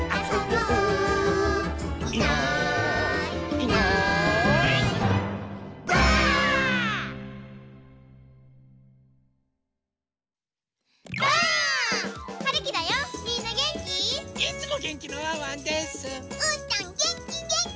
うーたんげんきげんき！